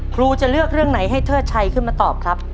ครูจะเลือกเรื่องไหนให้เทิดชัยขึ้นมาตอบครับ